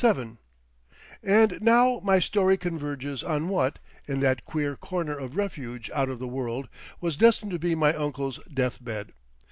VII And now my story converges on what, in that queer corner of refuge out of the world, was destined to be my uncle's deathbed.